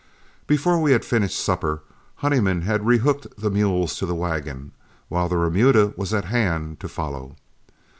Before we had finished supper, Honeyman had rehooked the mules to the wagon, while the remuda was at hand to follow.